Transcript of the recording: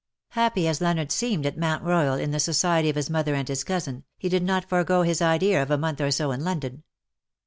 Happy as Leonard seemed at Monnt Royal in the society of his mother and his cousin^ he did not forego his idea of a month or so in London.